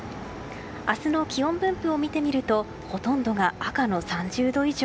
明日の気温分布を見てみるとほとんどが赤の３０度以上。